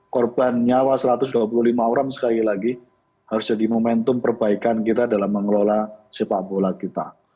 korban nyawa satu ratus dua puluh lima orang sekali lagi harus jadi momentum perbaikan kita dalam mengelola sepak bola kita